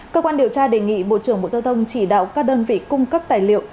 cơ quan điều tra đề nghị bộ trưởng bộ giao thông chỉ đạo các đơn vị cung cấp tài liệu